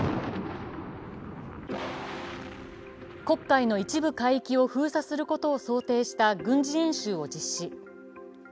黒海の一部海域を封鎖することを想定した軍事演習を実施